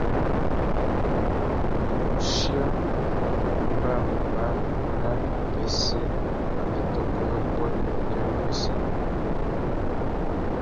Wuguchia mbămbá râ ibāwipêssê ya tôkô yôbôt ya wipêssê.